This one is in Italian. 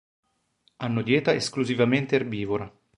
Hanno dieta esclusivamente erbivora.